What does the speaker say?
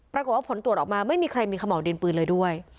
ปรากฏว่าผลตรวจออกมาไม่มีใครมีขม่าวดินปืนเลยด้วย